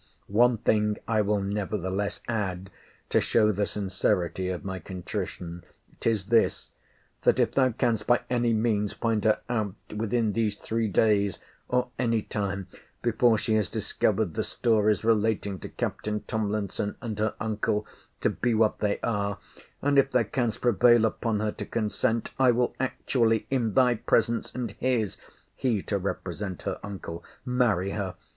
One thing I will nevertheless add, to show the sincerity of my contrition—'Tis this, that if thou canst by any means find her out within these three days, or any time before she has discovered the stories relating to Captain Tomlinson and her uncle to be what they are; and if thou canst prevail upon her to consent, I will actually, in thy presence and his, (he to represent her uncle,) marry her.